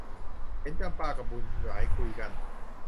เห็นจำปากับบุญหลายคุยกัน